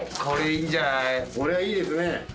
これはいいですね。